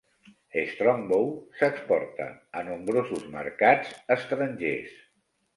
Strongbow s'exporta a nombrosos mercats estrangers.